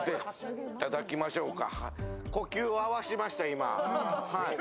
いただきましょうか。